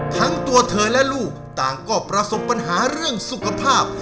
ทั้งตัวเธอและลูกต่างก็ประสบปัญหาเรื่องสุขภาพ